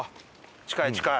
近い近い！